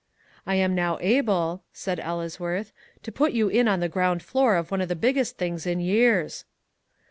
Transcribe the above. "I am now able," said Ellesworth, "to put you in on the ground floor of one of the biggest things in years."